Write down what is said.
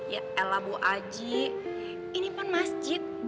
ya elah bu aji ini pun masjid